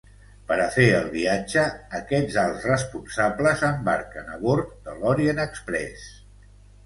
Per a fer el viatge, aquests alts responsables embarquen a bord de l'Orient Exprés.